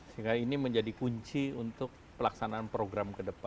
sehingga ini menjadi kunci untuk pelaksanaan program ke depan